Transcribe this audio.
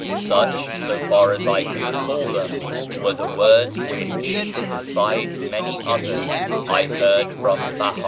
Such, so far as I can recall them, were the words which, besides many others, I heard from Behá.